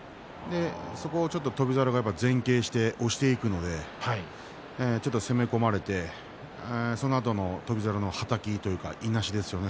そこを翔猿が前傾して押していきますので攻め込まれて、そのあとの翔猿のはたきというか、いなしですよね。